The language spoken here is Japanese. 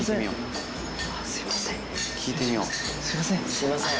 すいません。